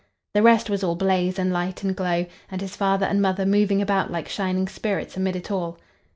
The rest was all blaze and light and glow, and his father and mother moving about like shining spirits amid it all.